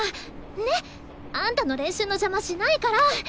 ねっ！あんたの練習の邪魔しないから！